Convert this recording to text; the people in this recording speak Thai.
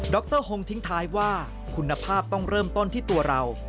รฮงทิ้งท้ายว่าคุณภาพต้องเริ่มต้นที่ตัวเรา